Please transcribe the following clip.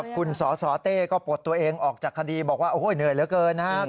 คุณสสเต้ก็ปลดตัวเองออกจากคดีบอกว่าโอ้โหเหนื่อยเหลือเกินนะครับ